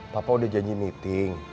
papa udah janji meeting